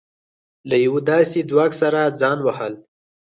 له يوه داسې ځواک سره ځان وهل.